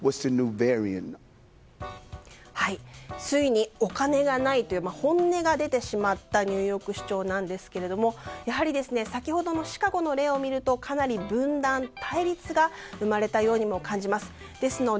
ついにお金がないという本音が出てしまったニューヨーク市長なんですけども先ほどのシカゴの例を見るとかなり分断、対立が生まれたようにも感じます。